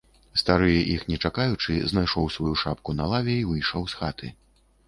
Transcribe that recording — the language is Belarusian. Стары, іх не чакаючы, знайшоў сваю шапку на лаве й выйшаў з хаты.